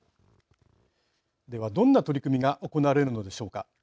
では、どんな取り組みが行われるのでしょうか。